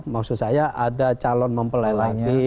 maksud saya ada calon mempelai lagi